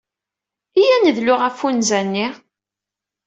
Iyya ad nedlu ɣef unza-nni.